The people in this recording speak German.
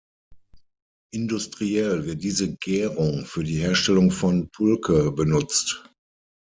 Industriell wird diese Gärung für die Herstellung von Pulque benutzt.